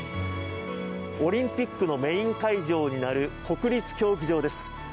オリンピックのメイン会場になる国立競技場です。